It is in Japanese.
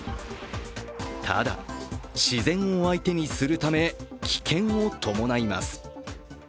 ただ、自然を相手にするため、危険を伴います。